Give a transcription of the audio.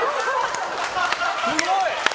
すごい！